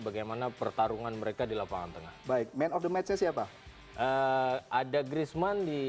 bagaimana pertarungan mereka di lapangan tengah baik men out the match siapa ada griezmann di